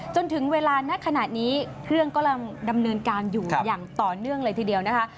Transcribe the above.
จนถึงเวลานักขณะนี้เครื่องกำลังดำเนินการอยู่อย่างต่อเนื่องเลยทีเดียวนะคะ